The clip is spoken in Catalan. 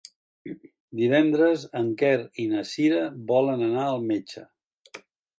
Divendres en Quer i na Cira volen anar al metge.